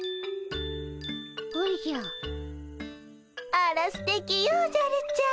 あらすてきよおじゃるちゃん。